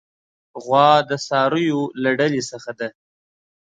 غوا د څارویو له ډلې څخه ده.